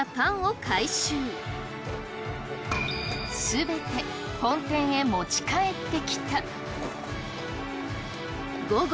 全て本店へ持ち帰ってきた。